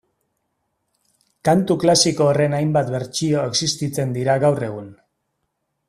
Kantu klasiko horren hainbat bertsio existitzen dira gaur egun